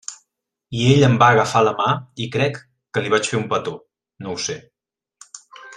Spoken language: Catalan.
I ell em va agafar la mà i crec que li vaig fer un petó, no ho sé.